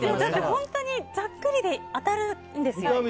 本当にざっくりで当たるんです。